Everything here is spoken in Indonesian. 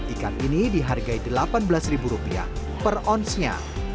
ikan ini dihargai delapan belas rupiah per onsnya